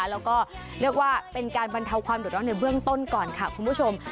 แล้วก็เรียกว่าเป็นการบรรเทาความเดือดร้อนในเบื้องต้นก่อนค่ะคุณผู้ชม